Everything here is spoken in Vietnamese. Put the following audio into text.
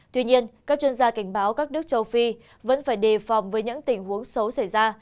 tuy nhiên các chuyên gia cảnh báo các nước châu phi vẫn phải đề phòng với những tình huống xấu xảy ra